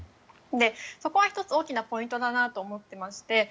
そこは１つ大きなポイントだと思っていまして。